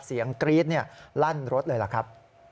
เสียงกรี๊ดนี่ลั่นรถเลยล่ะครับ